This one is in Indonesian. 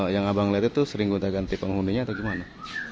yang abang lihat itu sering gonta ganti penghuninya atau gimana